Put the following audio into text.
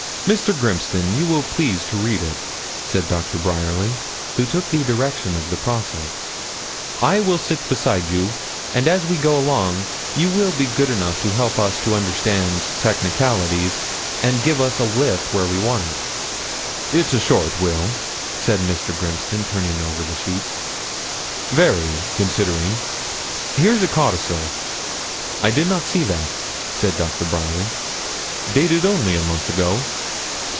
'Mr. Grimston, you will please to read it,' said Doctor Bryerly, who took the direction of the process. 'I will sit beside you, and as we go along you will be good enough to help us to understand technicalities, and give us a lift where we want it.' 'It's a short will,' said Mr. Grimston, turning over the sheets 'very considering. Here's a codicil.' 'I did not see that,' said Doctor Bryerly. 'Dated only a month ago.'